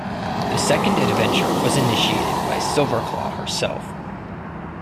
The second adventure was initiated by Silverclaw herself.